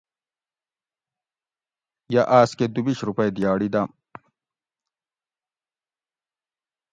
یہ آس کہ دوبیش روپئ دیاڑی دم